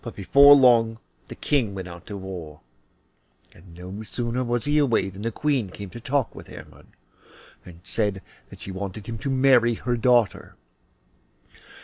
Before long the King went out to war, and no sooner was he away than the Queen came to talk with Hermod, and said that she wanted him to marry her daughter.